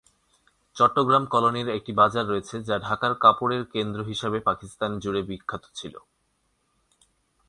চট্টগ্রাম কলোনির একটি বাজার রয়েছে, যা ঢাকার কাপড়ের কেন্দ্র হিসাবে পাকিস্তান জুড়ে বিখ্যাত ছিল।